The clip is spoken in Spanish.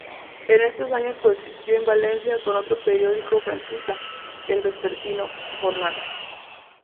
En estos años coexistió en Valencia con otro periódico franquista, el vespertino "Jornada".